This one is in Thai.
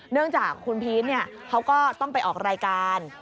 เนื่องจากคุณพีชเขาก็ต้องไปออกรายการ